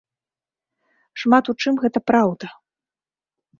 Шмат у чым гэта праўда.